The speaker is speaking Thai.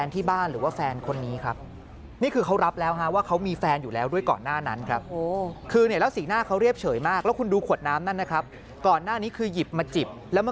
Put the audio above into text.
ถามว่าไงครับ